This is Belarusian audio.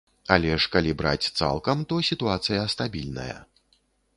Але ж калі браць цалкам, то сітуацыя стабільная.